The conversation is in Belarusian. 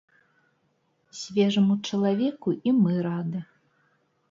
Свежаму чалавеку і мы рады.